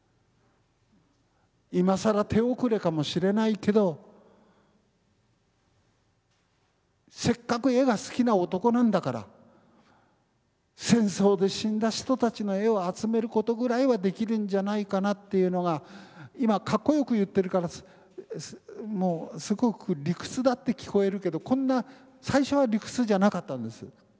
今更手遅れかもしれないけどせっかく絵が好きな男なんだから戦争で死んだ人たちの絵を集めることぐらいはできるんじゃないかなっていうのが今かっこよく言ってるからすごく理屈だって聞こえるけどこんな最初は理屈じゃなかったんです。